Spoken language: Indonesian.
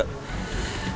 di depan aja ya